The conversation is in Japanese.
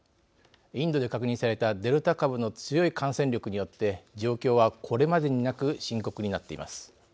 インドで確認されたデルタ株の強い感染力によって状況は、これまでになく深刻になっています。